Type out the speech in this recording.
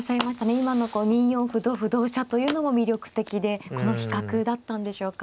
今のこう２四歩同歩同飛車というのも魅力的でこの比較だったんでしょうか。